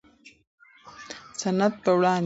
سند به وړاندې شي.